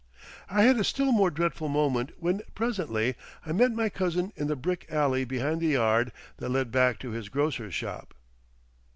I had a still more dreadful moment when presently I met my cousin in the brick alley behind the yard, that led back to his grocer's shop.